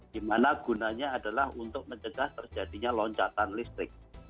di mana gunanya adalah untuk mencegah terjadinya loncatan listrik